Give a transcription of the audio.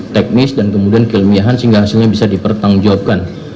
teknis dan kemudian kelemihan sehingga hasilnya bisa dipertanggung jawabkan